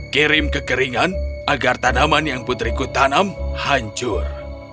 kirim kekeringan agar tanaman yang putriku tanam hancur